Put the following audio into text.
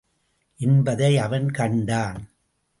என்பதை அவன் கண்டான்.